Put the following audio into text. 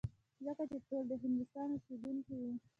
ځکه چې ټول د هندوستان اوسېدونکي وو.